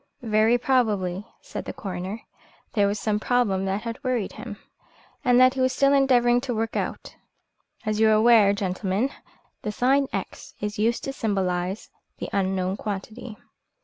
"Very probably," said the coroner, "there was some problem that had worried him, and that he was still endeavouring to work out. As you are aware, gentlemen, the sign X is used to symbolise the unknown quantity."